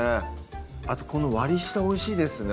あとこの割り下おいしいですね